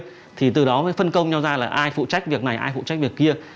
người nào là rảnh giờ kia thì từ đó mới phân công nhau ra là ai phụ trách việc này ai phụ trách việc kia